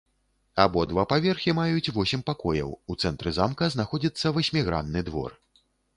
Абодва паверхі маюць восем пакояў, у цэнтры замка знаходзіцца васьмігранны двор.